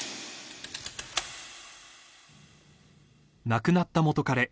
［亡くなった元カレ